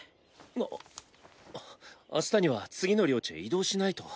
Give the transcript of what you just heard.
あ明日には次の領地へ移動しないと。